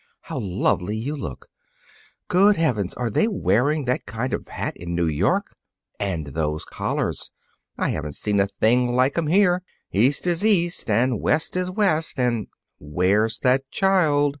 How lovely you look! Good heavens, are they wearing that kind of hat in New York! And those collars! I haven't seen a thing like 'em here. 'East is east and West is west and '" "Where's that child?"